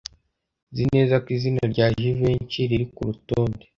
Nzi neza ko izina rya Jivency riri kurutonde.